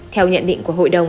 theo nhận định của hội đồng